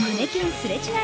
すれ違い